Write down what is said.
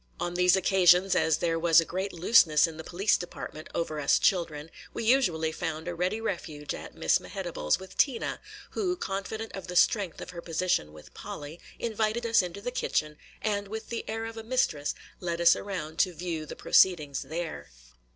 On these occasions, as there was a great looseness in the police department over us children, we usually found a ready refuge at Miss Mehitable's with Tina, who, confident of the strength of her position with Polly, invited us into the kitchen, and with the air of a mistress led us around to view the proceedings there.